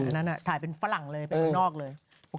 อันนั้นถ่ายเป็นฝรั่งไปออกเลย